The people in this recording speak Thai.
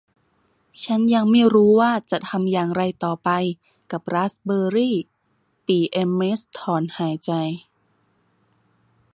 ฉันยังไม่รู้ว่าจะทำอย่างไรต่อไปกับราสเบอร์รี่ปี่เอ็มเม็ตต์ถอนหายใจ